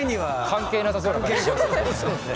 関係なさそうな感じしますよね。